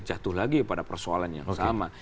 jatuh lagi pada persoalan yang sama